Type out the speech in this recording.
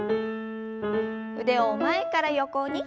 腕を前から横に。